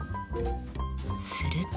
すると。